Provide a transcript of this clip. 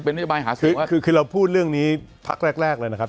เป็นบรรยาบาลหาสินค้าคือคือเราพูดเรื่องนี้พักแรกแรกเลยนะครับ